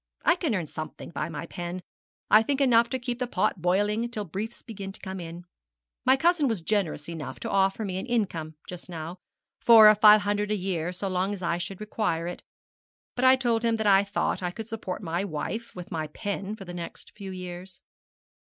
I can earn something by my pen; I think enough to keep the pot boiling till briefs begin to drop in. My cousin was generous enough to offer me an income just now four or five hundred a year so long as I should require it but I told him that I thought I could support my wife with my pen for the next few years.'